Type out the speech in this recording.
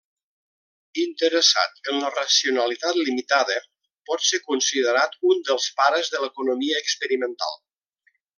Interessat en la racionalitat limitada, pot ser considerat un dels pares de l'economia experimental.